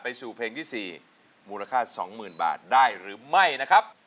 สู่เพลงที่๔มูลค่า๒๐๐๐บาทได้หรือไม่นะครับ